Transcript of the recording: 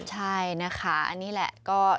ใช่นะคะอันนี้แหละก็